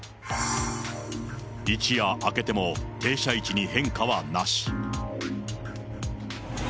一夜明けても、停車位置に変化はなし。